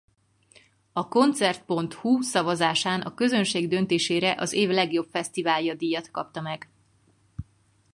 A Koncert.hu szavazásán a közönség döntésére az év legjobb fesztiválja díjat kapta meg.